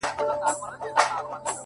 خو وخته لا مړ سوى دی ژوندى نـه دی _